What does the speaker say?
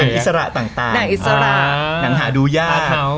อิสระต่างนางอิสระหนังหาดูยาก